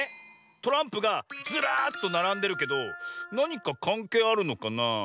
トランプがずらっとならんでるけどなにかかんけいあるのかなあ。